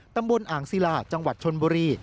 ตำบลอ่างศิลาจังหวัดชนบุรี